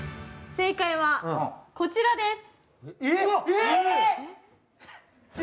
正解はこちらです。